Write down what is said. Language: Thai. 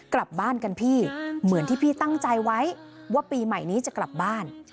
กลับบ้านกันพี่เหมือนที่พี่ตั้งใจไว้ว่าปีใหม่นี้จะกลับบ้าน